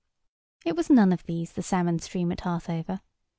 It was none of these, the salmon stream at Harthover.